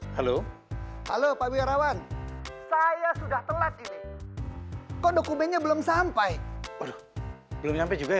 halo halo pak wirawan saya sudah telat ini kok dokumennya belum sampai belum sampai juga ya